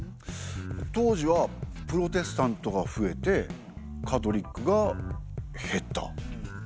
当時はプロテスタントが増えてカトリックが減った。